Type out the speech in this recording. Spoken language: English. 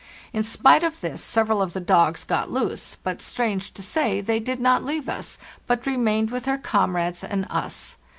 In spite of this, several of the dogs got loose; but, strange to say, they did not leave us, but remained with their comrades and us.